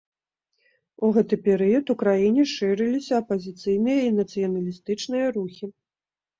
У гэты перыяд у краіне шырыліся апазіцыйныя і нацыяналістычныя рухі.